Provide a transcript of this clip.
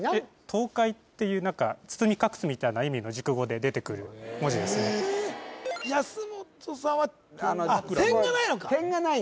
韜晦っていう何か包み隠すみたいな意味の熟語で出てくる文字ですね安本さんは点がないんだ点がない？